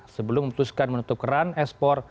sebelum memutuskan menutup keran ekspor